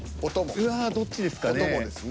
うわっどっちですかね。